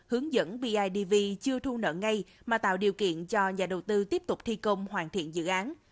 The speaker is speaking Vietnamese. hướng dẫn bidv chưa thu nợ ngay mà tạo điều kiện cho nhà đầu tư tiếp tục thi công hoàn thiện dự án